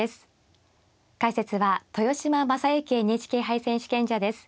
解説は豊島将之ＮＨＫ杯選手権者です。